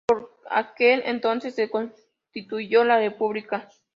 Por aquel entonces, se constituyó la República.